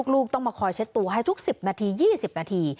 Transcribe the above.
ลูกต้องมาคอยเช็ดตัวให้ทุก๑๐นาที๒๐นาที